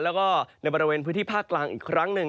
แล้วก็ในบริเวณพื้นที่ภาคกลางอีกครั้งหนึ่ง